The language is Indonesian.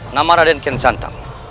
nama raden kian santang